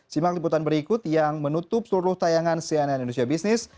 simak liputan berikut yang menutup seluruh tayangan cnn indonesia business